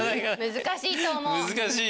難しいと思う。